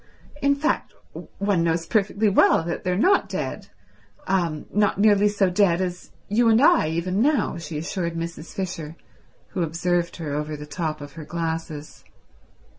In fact one knows perfectly well that they're not dead—not nearly so dead as you and I even now," she assured Mrs. Fisher, who observed her over the top of her glasses.